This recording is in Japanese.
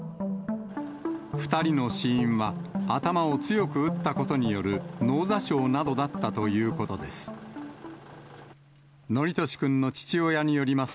２人の死因は頭を強く打ったことによる脳挫傷などだったということです。